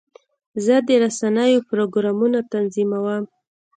زه د رسنیو پروګرامونه تنظیموم.